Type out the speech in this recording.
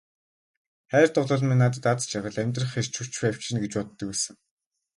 Хайр дурлал минь надад аз жаргал, амьдрах эрч хүч авчирна гэж боддог байсан.